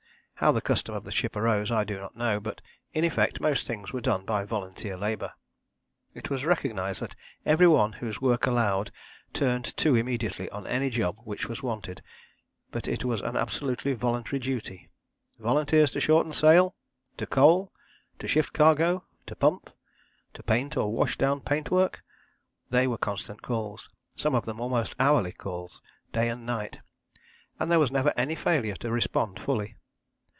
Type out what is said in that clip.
How the custom of the ship arose I do not know, but in effect most things were done by volunteer labour. It was recognized that every one whose work allowed turned to immediately on any job which was wanted, but it was an absolutely voluntary duty Volunteers to shorten sail? To coal? To shift cargo? To pump? To paint or wash down paintwork? They were constant calls some of them almost hourly calls, day and night and there was never any failure to respond fully.